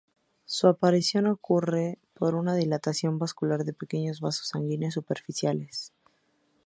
Su aparición ocurre por una dilatación vascular de pequeños vasos sanguíneos superficiales.